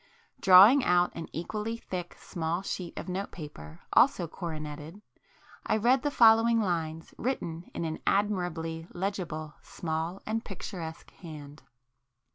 Drawing out an equally thick small sheet of notepaper also coroneted, I read the following lines written in an admirably legible, small and picturesque hand.